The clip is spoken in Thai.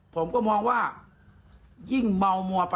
สายลูกไว้อย่าใส่